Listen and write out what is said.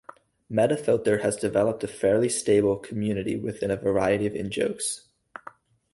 MetaFilter has developed a fairly stable community with a variety of in-jokes.